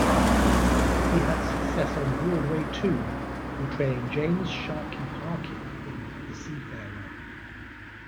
He had success on Broadway too, portraying James "Sharky" Harkin in "The Seafarer".